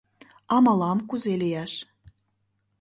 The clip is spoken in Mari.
— А мылам кузе лияш?